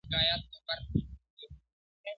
او خزان یې خدایه مه کړې د بهار تازه ګلونه٫